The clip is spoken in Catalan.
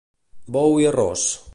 Bou i arròs.